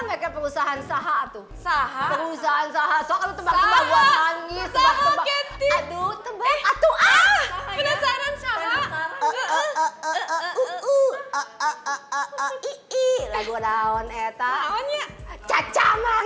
mereka perusahaan sahatu sahabat perusahaan sahat soal teman teman wangi sebab adu tebak